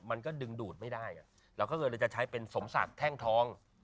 มันก็ดึงดูดไม่ได้เราก็เลยจะใช้เป็นสมศักดิ์แท่งทอง